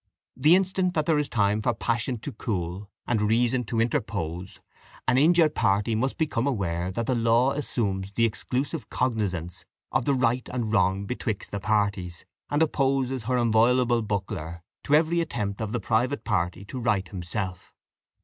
The instant that there is time for passion to cool and reason to interpose, an injured party must become aware that the law assumes the exclusive cognizance of the right and wrong betwixt the parties, and opposes her inviolable buckler to every attempt of the private party to right himself.